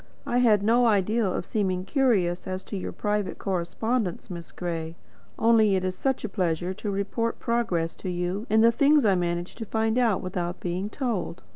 "I had no idea of seeming curious as to your private correspondence, Miss Gray. Only it is such a pleasure to report progress to you in the things I manage to find out without being told."